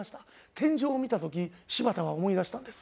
天井を見た時柴田は思い出したんです。